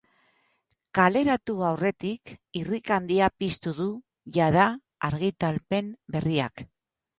Kaleratu aurretik, irrika handia piztu du, jada, argitalpen berriak.